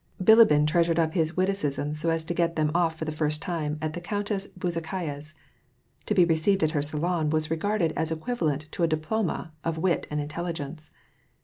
Bilibin treasured up his witticisms so as to get them off for the first time at the Countess Bezukhaya's. To be received at her salon was regarded as equivalent to a dit>loma of wit and intelligence.